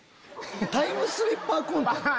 タイムスリッパーコント？